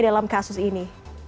dalam kasus ini